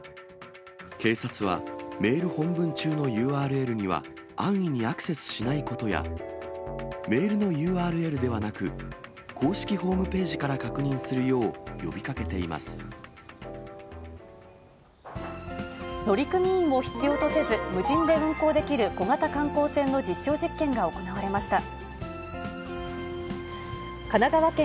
警察は、メール本文中のＵＲＬには安易にアクセスしないことや、メールのＵＲＬではなく、公式ホームページから確認するよう呼びかけてい乗組員を必要とせず、無人で運航できる小型観光船の実証実験が行われました。